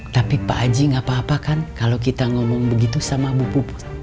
tapi pak haji nggak apa apa kan kalau kita ngomong begitu sama ibu puput